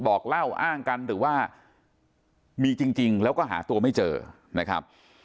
บอกเล่าอ้างกันหรือว่ามีจริงแล้วก็หาตัวไม่เจอนะครับ